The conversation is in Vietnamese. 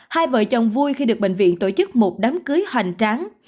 hai vợ chồng vui khi được bệnh viện tổ chức một đám cưới hoành tráng